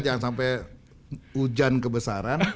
jangan sampai hujan kebesaran